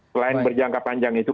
selain berjangka panjang itu